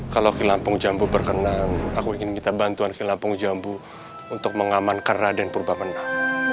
kalau ki lampung jambu berkenan aku ingin kita bantu ki lampung jambu untuk mengamankan raden purba menak